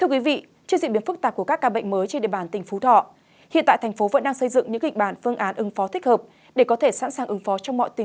kính chào và hẹn gặp lại